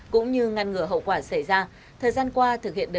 cũng như ngăn ngừa học sinh